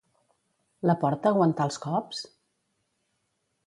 La porta aguantà els cops?